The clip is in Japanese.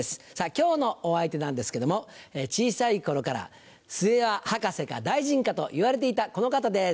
今日のお相手なんですけども小さい頃から末は博士か大臣かと言われていたこの方です。